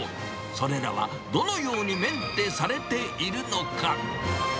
それらはどのようにメンテされているのか。